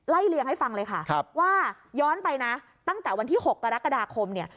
เลียงให้ฟังเลยค่ะว่าย้อนไปนะตั้งแต่วันที่๖กรกฎาคมเนี่ย